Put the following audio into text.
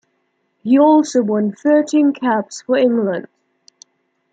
He also won thirteen caps for England.